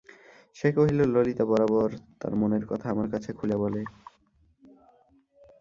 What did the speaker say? সে কহিল, ললিতা বরাবর তার মনের কথা আমার কাছে খুলে বলে।